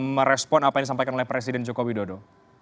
merespon apa yang disampaikan oleh presiden jokowi dodo